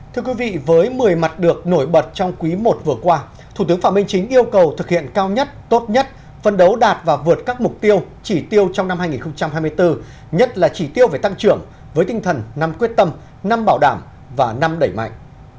thưa quý vị với một mươi mặt được nổi bật trong quý i vừa qua thủ tướng phạm minh chính yêu cầu thực hiện cao nhất tốt nhất phân đấu đạt và vượt các mục tiêu chỉ tiêu trong năm hai nghìn hai mươi bốn nhất là chỉ tiêu về tăng trưởng với tinh thần năm quyết tâm năm bảo đảm và năm đẩy mạnh